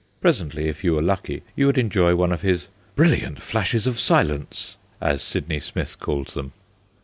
Presently, if you were lucky, you would enjoy one of his ' brilliant flashes of silence,' as Sydney Smith called them.